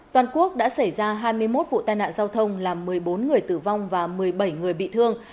toàn quốc đã xảy ra hai mươi một vụ tai nạn giao thông làm một mươi bốn người tử vong và một mươi bảy người bị thương